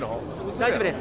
大丈夫です。